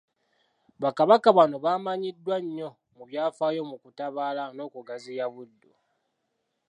Bakabaka bano bamanyiddwa nnyo mu byafaayo mu kutabaala n’okugaziya Buddu.